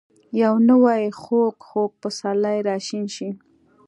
یو نوی ،خوږ. خوږ پسرلی راشین شي